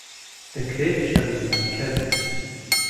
دەکرێت شەرمەزارکەر بێت.